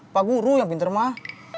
pak guru yang pinter mah